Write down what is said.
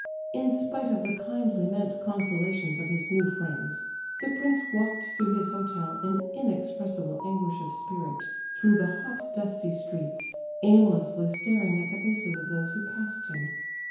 In spite of the kindly meant consolations of his new friends, the prince walked to his hotel in inexpressible anguish of spirit, through the hot, dusty streets, aimlessly staring at the faces of those who passed him.